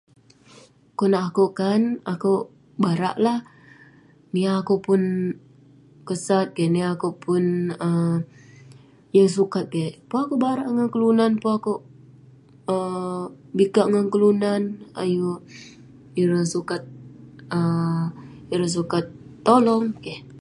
Konak akouk kan, akouk barak lah. Niah akouk pun kesat kik, niah akouk pun um yeng sukat kek, pun akouk barak ngan kelunan, pun akouk um bikak ngan kelunan. Ayuk ireh sukat- um ireh sukat tolong. Keh.